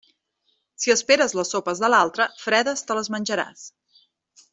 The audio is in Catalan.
Si esperes les sopes de l'altre, fredes te les menjaràs.